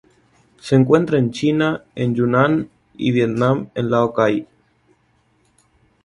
Se encuentra en China en Yunnan y Vietnam en Lao Cai.